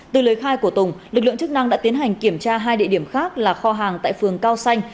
từ lời khai của tùng lực lượng chức năng đã tiến hành kiểm tra hai địa điểm khác là kho hàng tại phường cao xanh